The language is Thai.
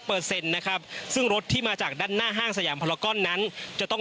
นะครับซึ่งรถที่มาจากด้านหน้าห้างสยามพลาก้อนนั้นจะต้อง